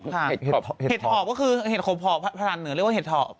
เห็ดถอบก็คือเห็ดขบพอบภารณ์เหนือเรียกว่าเห็ดถอบ